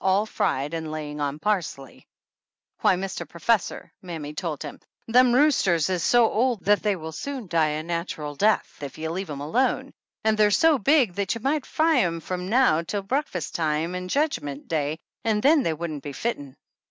all fried and laying on parsley. 77 THE ANNALS OF ANN "Why, Mr. Professor," mammy told him, "them roosters is so old that they will soon die a natural death if you leave them alone; and they're so big that you might fry 'em f rum now till breakfast time on Jedgment Day, and then they wouldn't be fitten